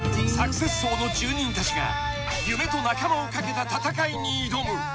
サクセス荘の住人たちが夢と仲間をかけた戦いに挑む。